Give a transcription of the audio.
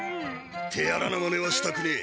手荒なまねはしたくねえ。